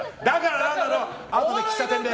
あとで喫茶店で。